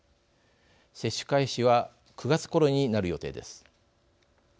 接種開始は９月ころになる予定です。